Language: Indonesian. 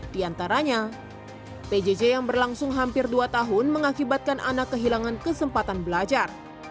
di antaranya pjj yang berlangsung hampir dua tahun mengakibatkan anak kehilangan kesempatan belajar